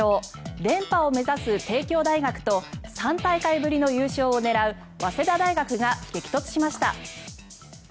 連覇を目指す帝京大学と３大会ぶりの優勝を狙う早稲田大学が激突しました。